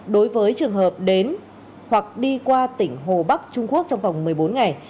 đối với trường hợp đến hoặc đi qua tỉnh hồ bắc trung quốc trong vòng một mươi bốn ngày